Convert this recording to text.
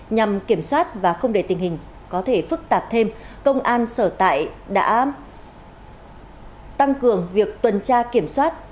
nhằm kiểm soát và không để tình hình có thể phức tạp thêm công an sở tại đã tăng cường việc tuần tra kiểm soát